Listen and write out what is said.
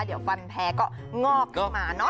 เดี๋ยวฟันแพ้ก็งอกขึ้นมาเนอะ